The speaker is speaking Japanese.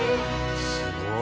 すごい。